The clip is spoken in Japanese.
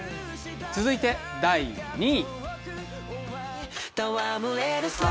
続いて第２位。